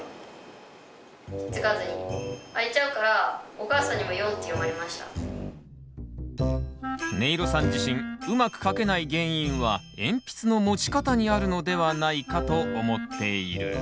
お母さんにもねいろさん自身うまく書けない原因は鉛筆の持ち方にあるのではないかと思っている。